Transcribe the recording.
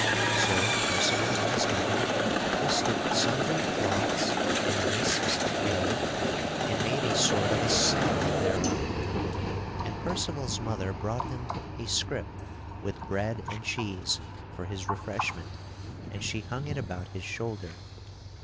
So Percival and his mother twisted sundry cloths and wisps of hay and made a sort of a saddle thereof. And Percival's mother brought him a scrip with bread and cheese for his refreshment and she hung it about his shoulder.